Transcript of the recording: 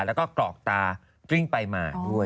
แล้วก็กรอกตากริ้งไปมาด้วย